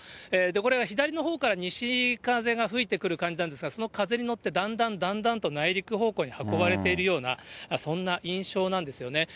これが左のほうから西風が吹いてくる感じなんですが、その風に乗って、だんだんだんだんと内陸方向に運ばれているような、そんな印象なんですよね。